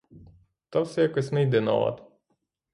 Та все якось не йде на лад.